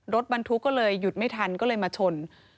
รถบรรทุกก็เลยหยุดไม่ทันก็เลยมาชน